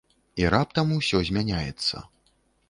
І раптам усё змяняецца.